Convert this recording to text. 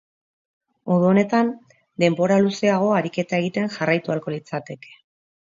Modu honetan, denbora luzeago ariketa egiten jarraitu ahalko litzateke.